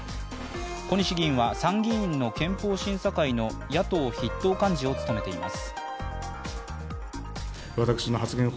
小西議員は参議院の憲法審査会の野党・筆頭幹事を務めています。